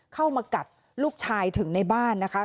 เข้ามากัดลูกชายถึงในบ้านนะคะ